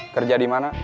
kerja di mana